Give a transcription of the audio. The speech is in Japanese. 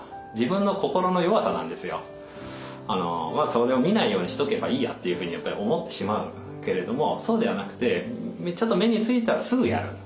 それを見ないようにしとけばいいやというふうにやっぱり思ってしまうけれどもそうではなくてちょっと目についたらすぐやる。